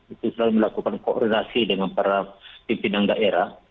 itu selalu melakukan koordinasi dengan para pimpinan daerah